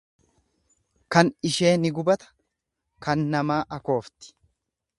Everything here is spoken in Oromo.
Kan ishee ni gubata kan namaa akoofti.